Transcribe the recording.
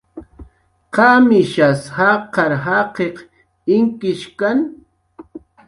¿Qamishas jaqar jaqiq inkishkna?